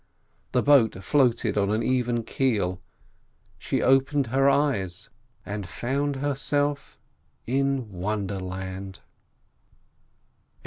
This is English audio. The boat floated on an even keel; she opened her eyes and found herself in Wonderland.